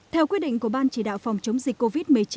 theo quyết định của ban chỉ đạo phòng chống dịch covid một mươi chín